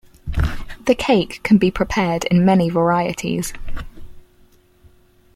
The cake can be prepared in many varieties.